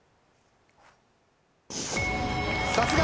さすが！